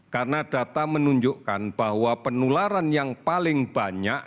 karena data menunjukkan bahwa penularan yang paling banyak